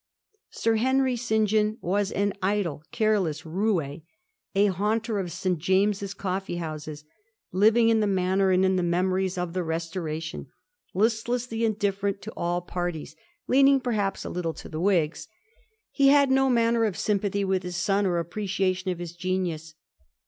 Sir Henry St John was an idle, careless rouCy a haunter of St. James's coffee houses, living in the manner and in the memories of the Restoration, listlessly indifferent to all parties, leaning perhaps a little to the Whigs. Digiti zed by Google 1715 SIR HENRY ST. JOHN. 151 He had no manner of sympathy with his son or appreciation of his genius.